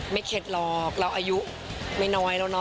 ไม่เข็ดหรอกเราอายุไม่น้อยแล้วเนาะ